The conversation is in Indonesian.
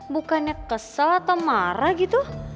bukannya kesel atau marah gitu